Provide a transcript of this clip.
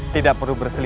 tidak perlu berserang